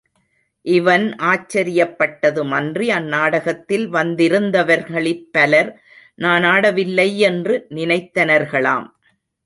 இவன் ஆச்சரியப்பட்டதுமன்றி, அந்நாடகத்தில் வந்திருந்தவர்களிற் பலர், நான் ஆடவில்லை யென்று நினைத்தனர்களாம்.